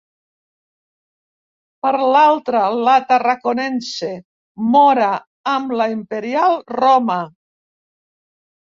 Per l'altra, la “tarraconense” Móra amb la imperial Roma.